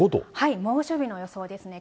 猛暑日の予想ですね。